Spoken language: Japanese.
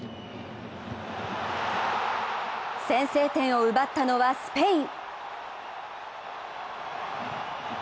先制点を奪ったのはスペイン。